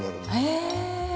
へえ。